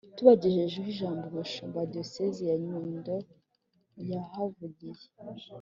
tubagejejeho ijambo umushumba wa diyosezi ya nyundo yahavugiye